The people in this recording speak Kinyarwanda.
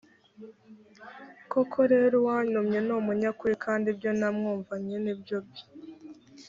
koko rero uwantumye ni umunyakuri kandi ibyo namwumvanye ni byo byo